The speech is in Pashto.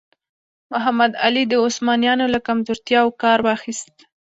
محمد علي د عثمانیانو له کمزورتیاوو کار واخیست.